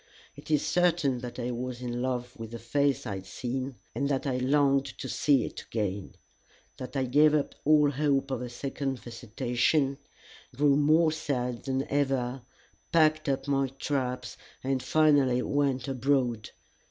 It is certain that I was in love with the face I had seen, and that I longed to see it again; that I gave up all hope of a second visitation, grew more sad than ever, packed up my traps, and finally went abroad.